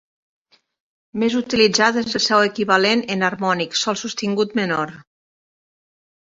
Més utilitzada és el seu equivalent enharmònic, sol sostingut menor.